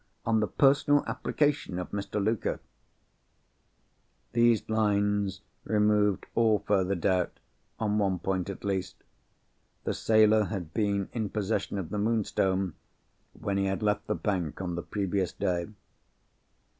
on the personal application of Mr. Luker." Those lines removed all further doubt, on one point at least. The sailor had been in possession of the Moonstone, when he had left the bank on the previous day.